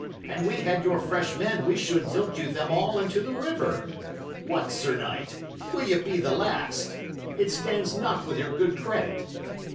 An we had your fresh men, we should tilt you them all into the river. What, sir knight! Will ye be the last? It stands not with your good credit."